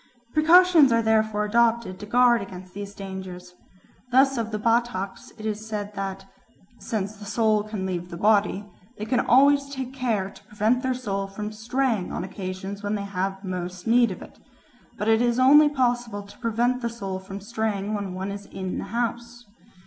Precautions are therefore adopted to guard against these dangers. Thus of the Bataks it is said that "since the soul can leave the body, they always take care to prevent their soul from straying on occasions when they have most need of it. But it is only possible to prevent the soul from straying when one is in the house.